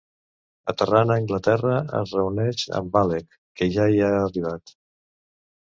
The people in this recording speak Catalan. Aterrant a Anglaterra, es reuneix amb Alec, que ja hi ha arribat.